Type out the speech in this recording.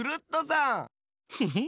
フフ。